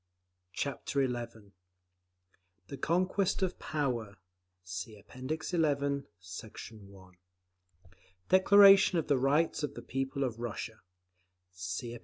Chapter XI The Conquest of Power (See App. XI, Sect. 1) DECLARATION OF THE RIGHTS OF THE PEOPLES OF RUSSIA (See App.